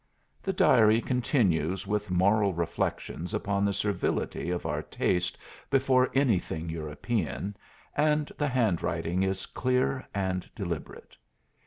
The diary continues with moral reflections upon the servility of our taste before anything European, and the handwriting is clear and deliberate.